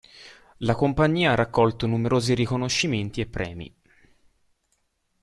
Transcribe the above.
La compagnia ha raccolto numerosi riconoscimenti e premi.